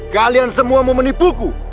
kalian semua mau menipuku